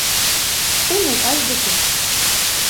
Уныкаж деке.